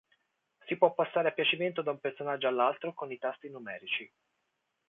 Si può passare a piacimento da un personaggio all'altro con i tasti numerici.